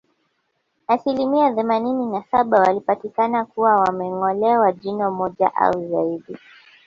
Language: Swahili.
Asilimia themanini na saba walipatikana kuwa wamengolewa jino moja au zaidi